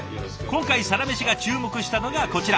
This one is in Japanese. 今回「サラメシ」が注目したのがこちら。